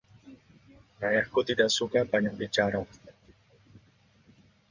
Ayahku tidak suka banyak bicara.